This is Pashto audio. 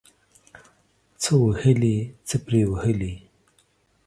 څه وهلي ، څه پري وهلي.